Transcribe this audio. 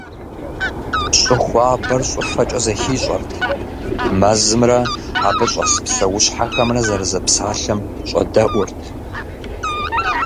Щӏы хуабэр щӏыфэкӏэ зэхищӏэрт, мэзымрэ, абы щӏэс псэущхьэхэмрэ зэрызэпсалъэм щӏэдэӏурт.